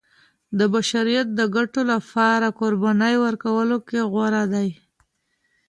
د بشریت د ګټو لپاره قربانۍ ورکولو کې غوره دی.